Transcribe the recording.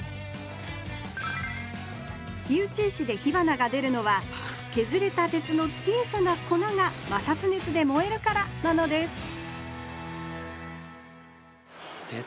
火打ち石で火花がでるのはけずれた鉄の小さな粉が摩擦熱で燃えるからなのです鉄